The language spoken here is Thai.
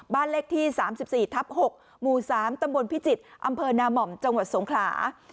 บ้านเลขที่๓๔ทับ๖หมู่๓ตำบลพิจิตรอำเภอนาม่อมจังหวัดสงขลา